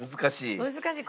難しい。